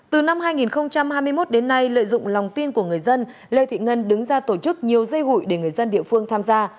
từ năm hai nghìn hai mươi một đến nay lợi dụng lòng tin của người dân lê thị ngân đứng ra tổ chức nhiều dây hụi để người dân địa phương tham gia